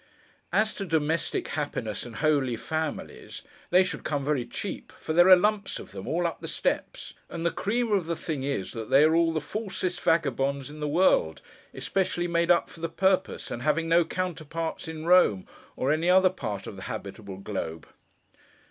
As to Domestic Happiness, and Holy Families, they should come very cheap, for there are lumps of them, all up the steps; and the cream of the thing is, that they are all the falsest vagabonds in the world, especially made up for the purpose, and having no counterparts in Rome or any other part of the habitable globe.